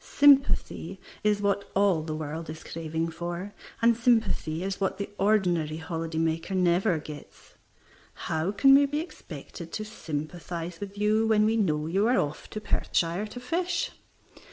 Sympathy is what all the world is craving for, and sympathy is what the ordinary holiday maker never gets. How can we be expected to sympathize with you when we know you are off to Perthshire to fish?